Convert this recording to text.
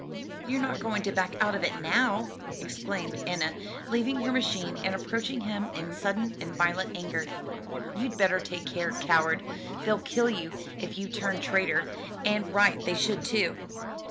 "You're not going to back out of it now?" exclaimed Enna, leaving her machine, and approaching him in sudden and violent anger. "You'd better take care, coward, they'll kill you if you turn traitor; and right they should too."